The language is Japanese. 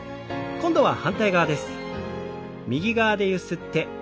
今度は反対側です。